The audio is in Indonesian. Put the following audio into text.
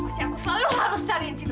kenapa sih aku selalu harus cariin si nona